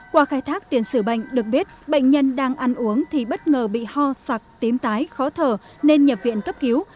qua khai thác tiền sử bệnh được biết bệnh nhân đang ăn uống thì bất ngờ bị ho sặc tím tái khó thở nên nhập viện cấp cứu